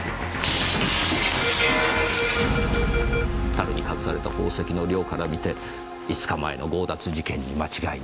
樽に隠された宝石の量から見て５日前の強奪事件に間違いない。